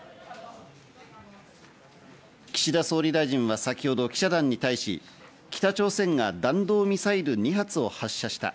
岸田総理大臣は先ほど記者団に対し、北朝鮮が弾道ミサイル２発を発射した。